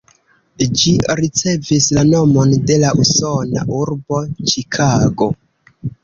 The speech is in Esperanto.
Ĝi ricevis la nomon de la usona urbo Ĉikago.